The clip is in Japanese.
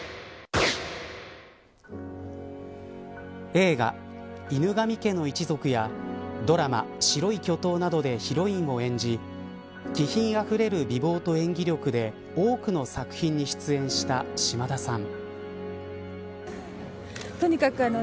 映画、犬神家の一族やドラマ白い巨塔などでヒロインを演じ気品あふれる美貌と演技力で多くの作品に出演した島田さん。